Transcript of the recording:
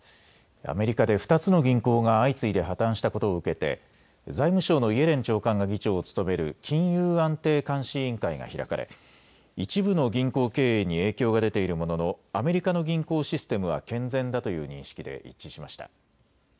アメリカで２つの銀行が相次いで破綻したことを受けて財務省のイエレン長官が議長を務める金融安定監視委員会が開かれ一部の銀行経営に影響が出ているもののアメリカの銀行システムは健全だという認識で一致しました。